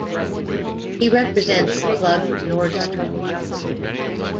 He represents the club Nordstrand.